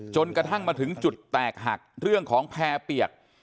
จนกระทั่งมาถึงจุดแตกหักเรื่องของแพร่เปียก